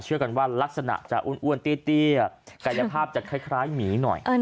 กันว่ารักษณะจะอ้วนเตี้ยกายภาพจะคล้ายหมีหน่อย